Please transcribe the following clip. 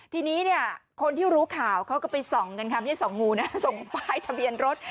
ทีนี้เนี่ยคนที่รู้ข่าวเขาก็ไปส่องกันค่ะไม่ใช่ส่องงูนะส่งป้ายทะเบียนรถ